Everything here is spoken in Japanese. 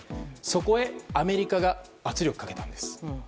そこへアメリカが圧力をかけたんです。